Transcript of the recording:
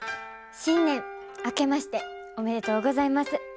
新年明けましておめでとうございます。